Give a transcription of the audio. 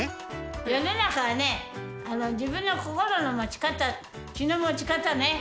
世の中はね、自分の心の持ち方、気の持ち方ね。